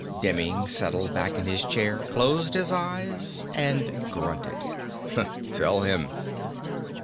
Demming settled back in his chair, closed his eyes and grunted, "Tell him."